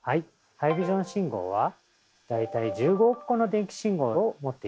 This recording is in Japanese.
ハイビジョン信号は大体１５億個の電気信号を持っています。